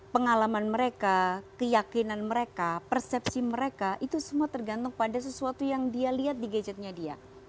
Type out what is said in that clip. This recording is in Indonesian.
pengalaman mereka keyakinan mereka persepsi mereka itu semua tergantung pada sesuatu yang dia lihat di gadgetnya dia